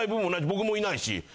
僕もいないし。